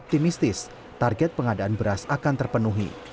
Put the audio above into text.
optimistis target pengadaan beras akan terpenuhi